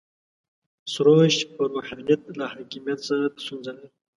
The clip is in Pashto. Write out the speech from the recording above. سروش پر روحانیت له حاکمیت سره ستونزه لري.